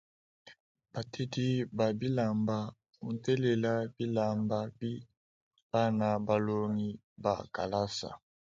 Batedi ba bilamba mutelela bilamba bi bana balongiba kalasa.